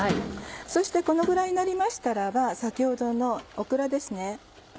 そしてこのぐらいになりましたらば先ほどのオクラですね。